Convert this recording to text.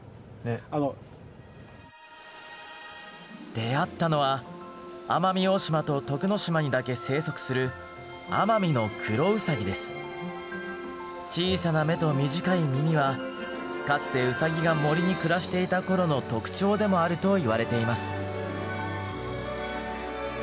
出会ったのは奄美大島と徳之島にだけ生息する小さな目と短い耳はかつてウサギが森に暮らしていた頃の特徴でもあるといわれています。